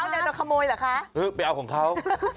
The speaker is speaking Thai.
แล้วลองเท้าเนี่ยจะขโมยเหรอคะไปเอาของเขา